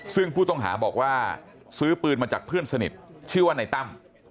ซึ่งผู้ต้องหาบอกว่าซื้อปืนมาจากเพื่อนสนิทชื่อว่าในตั้ม